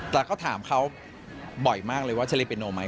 แต่ก็ถามเขาบ่อยมากเลยว่าจะเรียนเพียโนไหม